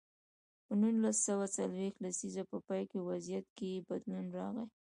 په نولس سوه څلویښت لسیزې په پای کې وضعیت کې بدلون راغی.